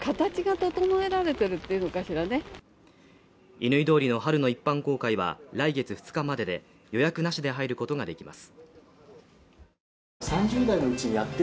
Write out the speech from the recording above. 乾通りの春の一般公開は来月２日までで、予約なしで入ることができます。